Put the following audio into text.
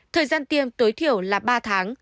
thời gian tiêm tối thiểu là ba tháng